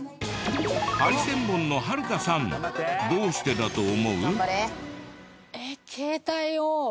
ハリセンボンのはるかさんどうしてだと思う？